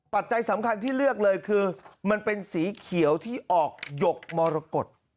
ปัจจัยสำคัญที่เลือกเลยคือมันเป็นสีเขียวที่ออกหยกมรกฏ